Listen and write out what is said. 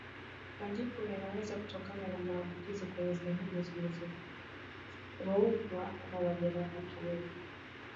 Majipu yanaweza kutokana na maambukizi kwenye sehemu zilizokwaruzwa au majeraha kiwewe